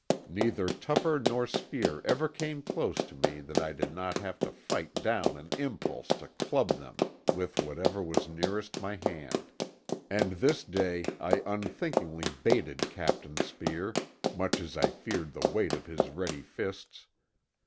Neither Tupper nor Speer ever came close to me that I did not have to fight down an impulse to club them with whatever was nearest my hand. And this day I unthinkingly baited Captain Speer, much as I feared the weight of his ready fists.